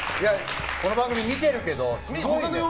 この番組見てるけど。